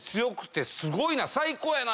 最高やな！